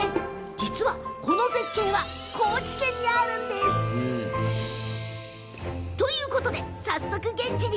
実は、この絶景高知県にあるんです。ということで、早速、現地に。